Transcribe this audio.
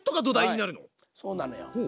そうなのよ。